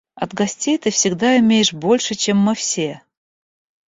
От гостей ты всегда имеешь больше, чем мы все